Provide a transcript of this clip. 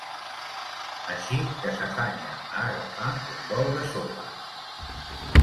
Així que s'afanya a agafar un bol de sopa.